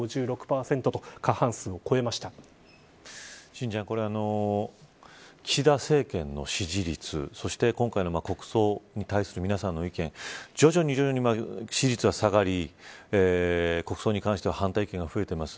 心ちゃん、岸田政権の支持率そして、今回の国葬に対する皆さんの意見徐々に徐々に支持率は下がり国葬に関しては反対意見が増えています。